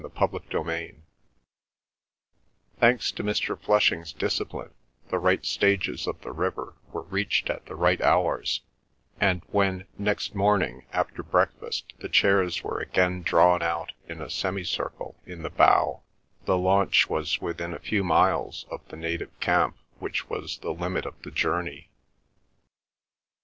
CHAPTER XXI Thanks to Mr. Flushing's discipline, the right stages of the river were reached at the right hours, and when next morning after breakfast the chairs were again drawn out in a semicircle in the bow, the launch was within a few miles of the native camp which was the limit of the journey.